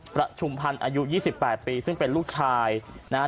ประชุมพันธ์อายุ๒๘ปีซึ่งเป็นลูกชายนะฮะ